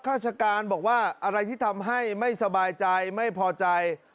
ราชการบอกว่าอะไรที่ทำให้ไม่สบายใจไม่พอใจ